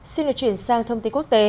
xin được chuyển sang thông tin quốc tế